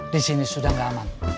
disini sudah gak aman